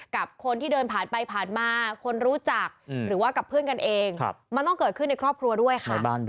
กับคนที่เดินผ่านไปผ่านมาคนรู้จักหรือว่ากับเพื่อนกันเองมันต้องเกิดขึ้นในครอบครัวด้วยค่ะ